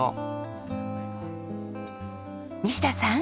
西田さん！